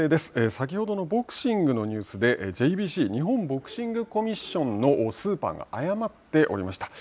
先ほどのボクシングのニュースでＪＢＣ日本ボクシングコミッションのスーパーが誤っておりました。